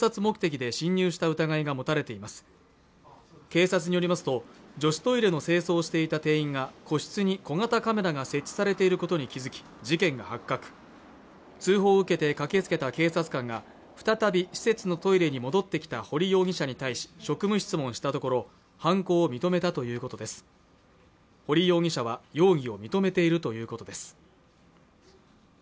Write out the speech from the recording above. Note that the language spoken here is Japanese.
警察によりますと女子トイレの清掃をしていた店員が個室に小型カメラが設置されていることに気づき事件が発覚通報を受けて駆けつけた警察官が再び施設のトイレに戻ってきた堀容疑者に対し職務質問したところ犯行を認めたということです堀容疑者は容疑を認めているということです